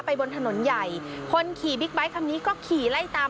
บนถนนใหญ่คนขี่บิ๊กไบท์คันนี้ก็ขี่ไล่ตาม